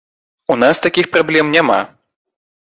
У нас такіх праблем няма.